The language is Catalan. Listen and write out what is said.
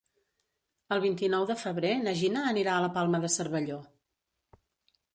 El vint-i-nou de febrer na Gina anirà a la Palma de Cervelló.